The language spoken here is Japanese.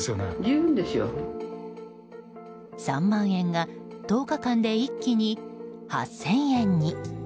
３万円が１０日間で一気に８０００円に。